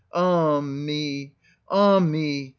Ah me ! ah me